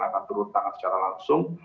akan turun tangan secara langsung